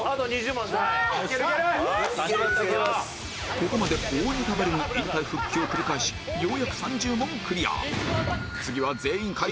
ここまで大仁田ばりに引退復帰を繰り返しようやく３０問クリア